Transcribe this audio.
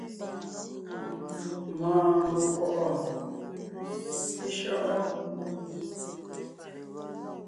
Mɔɔn mekwɔ̀’ɔ seshÿɔ́’ɔ?